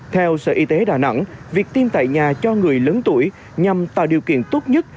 theo sở y tế đà nẵng việc tiêm tại nhà cho người lớn tuổi nhằm tạo điều kiện tốt nhất